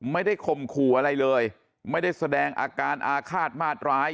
ข่มขู่อะไรเลยไม่ได้แสดงอาการอาฆาตมาดร้าย